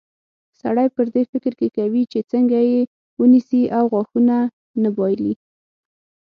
سړی پر دې فکر کوي چې څنګه یې ونیسي او غاښونه نه بایلي.